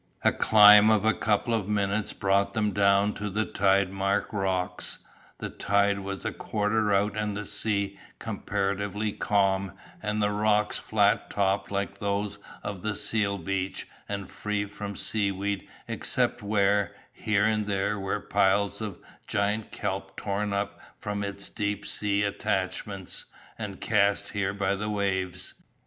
A climb of a couple of minutes brought them down to the tide mark rocks, the tide was a quarter out and the sea comparatively calm and the rocks flat topped like those of the seal beach and free from seaweed except where, here and there, were piled masses of giant kelp torn up from its deep sea attachments and cast here by the waves.